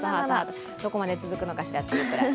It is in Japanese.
どこまで続くのかしらというくらい。